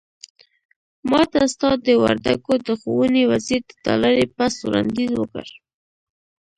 ماته ستا د وردګو د ښوونې وزير د ډالري پست وړانديز وکړ.